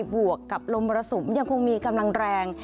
บวกกับลมมรสุมยังคงมีกำลังแรง